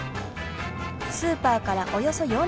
スーパーからおよそ４０分。